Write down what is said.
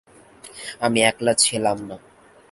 আমি একলা ছিলাম না।